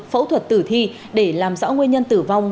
phẫu thuật tử thi để làm rõ nguyên nhân tử vong